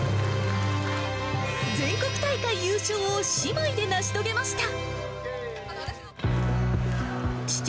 全国大会優勝を姉妹で成し遂げました。